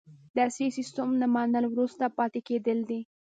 د عصري سیستم نه منل وروسته پاتې کیدل دي.